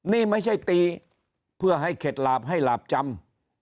นี่ไม่ใช่ตีเพื่อให้เข็ดหลาบให้หลาบจำ